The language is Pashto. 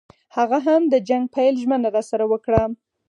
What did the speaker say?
هغه هم د جنګ پیل ژمنه راسره وکړه.